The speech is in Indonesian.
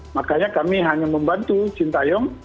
makanya kami hanya membantu sinta yong